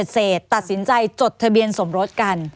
เสร็จตัดสินใจจดทะเบียนสมรสกัน